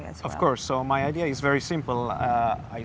tentu saja ide saya sangat sederhana